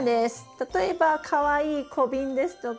例えばかわいい小瓶ですとか。